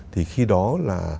thì khi đó là